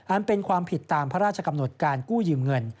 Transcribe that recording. เป็นความผิดตามพระราชกำหนดการกู้ยืมเงิน